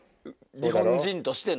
日本人としての。